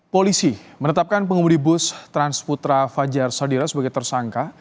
polisi menetapkan pengemudi bus transputra fajar sadira sebagai tersangka